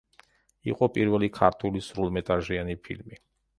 იყო პირველი ქართული სრულმეტრაჟიანი ფილმი.